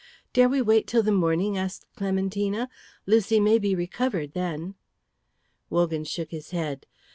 "Dare we wait till the morning?" asked Clementina. "Lucy may be recovered then." Wogan shook his head.